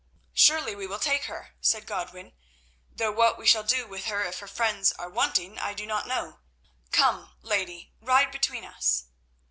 "Surely we will take her," said Godwin, "though what we shall do with her if her friends are wanting I do not know. Come, lady, ride between us."